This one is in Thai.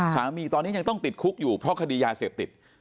สามีตอนนี้ยังต้องติดคุกอยู่เพราะคดียาเสพติด